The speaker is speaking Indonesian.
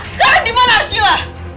sekarang di mana arsila